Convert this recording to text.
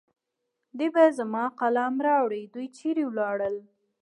دوی به زما قلم راوړي. دوی چېرې ولاړل؟